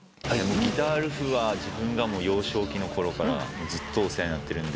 ギターウルフは自分が幼少期のころからずっとお世話になってるんで。